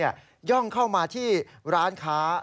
ย่องเข้ามาที่ร้านค้า